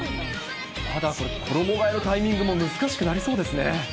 まだ衣がえのタイミングも難しくなりそうですね。